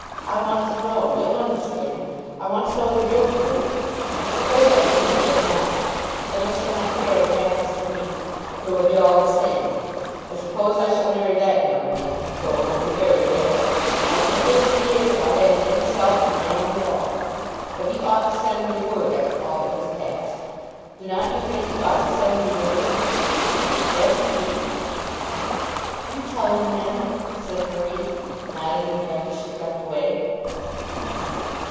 I want to know. You'll understand. I want to know the real truth. I suppose I do know it now. Then I shall not care what happens to me. It will be all the same. I suppose I shall marry that young man, though it will be very bad. I shall just be as if I hadn't any self of my own at all. But he ought to send me word after all that has passed. Do not you think he ought to send me word?" "Yes, indeed." "You tell him, then," said Marie, nodding her head as she crept away.